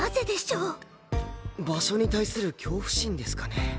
場所に対する恐怖心ですかね？